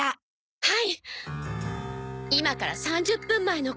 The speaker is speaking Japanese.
はい！